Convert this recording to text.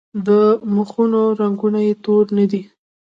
د مخونو رنګونه یې تور نه دي.